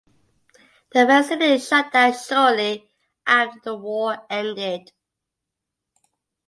The facility shut down shortly after the war ended.